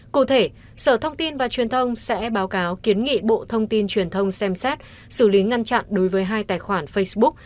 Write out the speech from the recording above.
cụ thể sở thông tin và truyền thông sẽ báo cáo kiến nghị bộ thông tin truyền thông xem xét xử lý ngăn chặn đối với hai tài khoản facebook